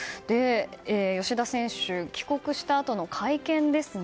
吉田選手帰国したあとの会見ですね。